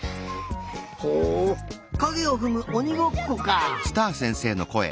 ほうかげをふむおにごっこか。